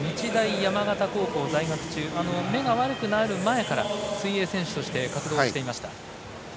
山形在学中目が悪くなる前から水泳選手として活動していました。